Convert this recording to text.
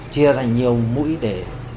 chia thành nhiều mũi để